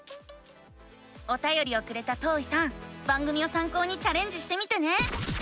おたよりをくれたとういさん番組をさん考にチャレンジしてみてね！